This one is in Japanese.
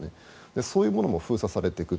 そういうものも封鎖されていく。